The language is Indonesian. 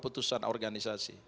itu adalah masalah organisasi